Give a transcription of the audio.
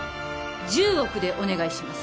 １０億でお願いします